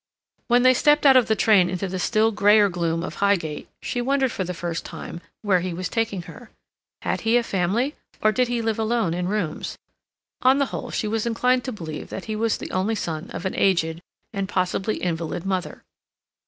When they stepped out of the train into the still grayer gloom of Highgate, she wondered, for the first time, where he was taking her. Had he a family, or did he live alone in rooms? On the whole she was inclined to believe that he was the only son of an aged, and possibly invalid, mother.